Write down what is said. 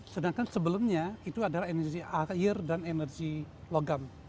sedangkan sebelumnya itu adalah energi air dan energi logam